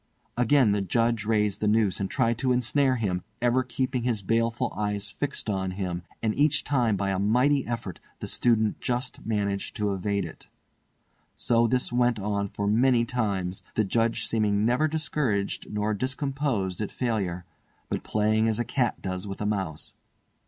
Again the Judge raised the noose and tried to ensnare him, ever keeping his baleful eyes fixed on him, and each time by a mighty effort the student just managed to evade it. So this went on for many times, the Judge seeming never discouraged nor discomposed at failure, but playing as a cat does with a mouse.